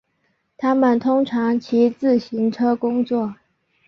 他们通常骑自行车工作。